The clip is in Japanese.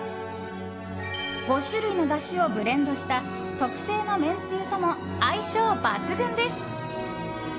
５種類のだしをブレンドした特製のめんつゆとも相性抜群です。